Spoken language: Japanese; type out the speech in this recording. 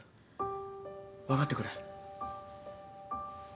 分かってくれ。